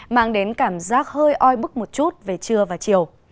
mang đến cảm giác hơi oi bức một chút về trưa và chiều